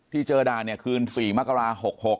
ที่เจอดาคืน๔มกรา๖๖